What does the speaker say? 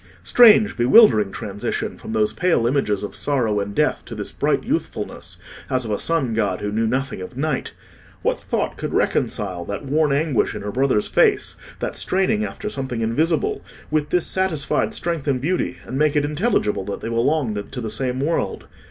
Strange, bewildering transition from those pale images of sorrow and death to this bright youthfulness, as of a sun god who knew nothing of night! What thought could reconcile that worn anguish in her brother's face—that straining after something invisible—with this satisfied strength and beauty, and make it intelligible that they belonged to the same world?